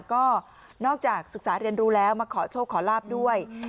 ก็นอกจากศึกษาเรียนรู้แล้วมาขอโชคขอลาบด้วย